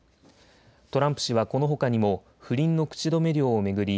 トランプ氏はこのほかにも不倫の口止め料を巡り